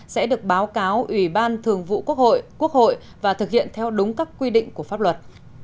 sẽ được báo cáo ủy ban thường vụ quốc hội quốc hội và thực hiện theo đúng các quy định của pháp luật